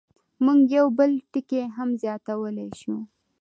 موږ یو بل ټکی هم زیاتولی شو.